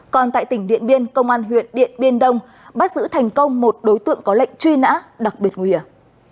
còn tại tỉnh điện biên công an huyện điện biên đông bắt giữ thành công một đối tượng có lệnh truy nã đặc biệt nguy hiểm